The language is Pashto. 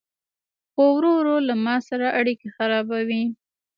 خو ورو ورو له ما سره اړيکي خرابوي